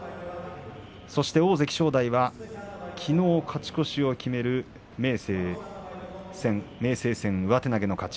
そして大関正代はきのう勝ち越しを決める明生戦で上手投げの勝ち。